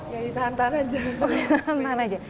ya di tahan tahan aja